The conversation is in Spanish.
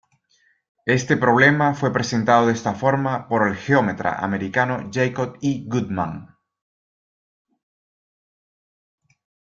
Este problema fue presentado de esta forma por el geómetra americano Jacob E. Goodman.